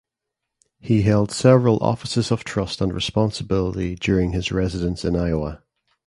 He held several offices of trust and responsibility during his residence in Iowa.